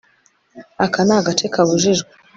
Aka ni agace kabujijwe